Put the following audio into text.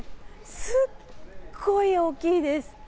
すごい大きいです。